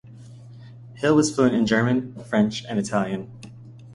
Hill was fluent in German, French, and Italian.